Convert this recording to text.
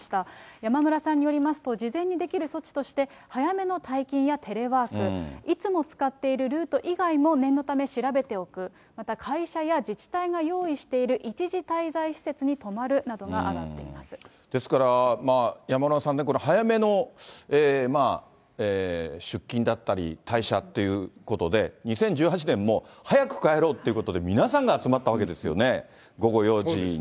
山村さんによりますと、事前にできる措置として、早めの退勤やテレワーク、いつも使っているルート以外も念のため、調べておく、また会社や自治体が用意している一時滞在施設に泊まるなどが挙がですから、山村さんね、早めの出勤だったり、退社ということで、２０１８年も、早く帰ろうということで、皆さんが集まったわけですよね、午後４時に。